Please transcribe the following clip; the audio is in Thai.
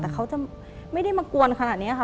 แต่เขาจะไม่ได้มากวนขนาดนี้ค่ะ